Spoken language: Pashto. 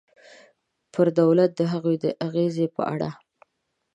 پر دولت د هغوی د اغېزې په اړه.